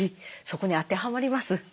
そこに当てはまります。